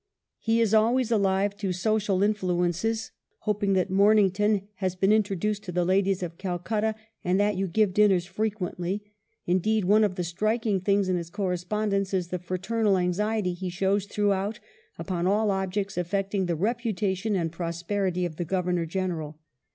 He is always alive to social influences, hoping that " Mom ington has been introduced to the ladies of Calcutta, and that you give dinners frequently;" indeed one of the striking things in his correspondence is the fraternal anxiety he shows throughout upon all subjects affecting the reputation and prosperity of the Governor General.